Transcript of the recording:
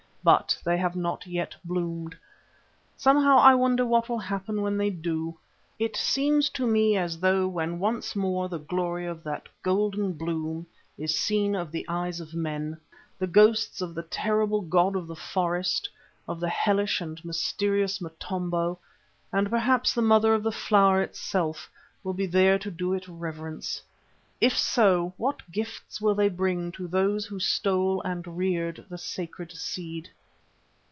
But they have not yet bloomed. Somehow I wonder what will happen when they do. It seems to me as though when once more the glory of that golden bloom is seen of the eyes of men, the ghosts of the terrible god of the Forest, of the hellish and mysterious Motombo, and perhaps of the Mother of the Flower herself, will be there to do it reverence. If so, what gifts will they bring to those who stole and reared the sacred seed?